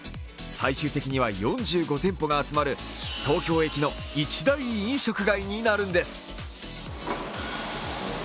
最終的には４５店舗が集まる東京駅の一大飲食街になるんです。